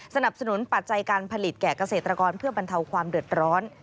สนับสนุนปัจจัยการผลิตแก่เกษตรกรเพื่อบรรเทาความเดือดร้อน